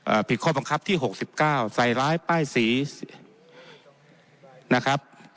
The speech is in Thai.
ผิดข้อบังคับที่หกสิบเก้าใส่ร้ายป้ายสีนะครับ